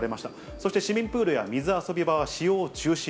そして市民プールや水遊び場は使用中止。